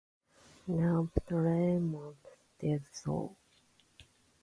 Neoptolemos did so.